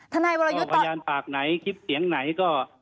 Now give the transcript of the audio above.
นายวรยุทธ์พยานปากไหนคลิปเสียงไหนก็